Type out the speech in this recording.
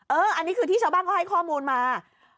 อันนี้คือที่ชาวบ้านเขาให้ข้อมูลมา